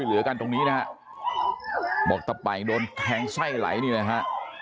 เหลือกันตรงนี้นะฮะบอกตะไปโดนแทงไส้ไหลนี่นะฮะ